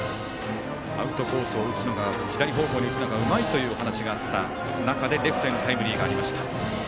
アウトコースを左方向に打つのがうまいというお話があった中でレフトへのタイムリーがありました。